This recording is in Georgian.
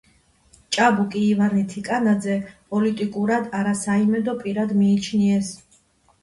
ჭაბუკი ივანე თიკანაძე პოლიტიკურად არასაიმედო პირად მიიჩნიეს.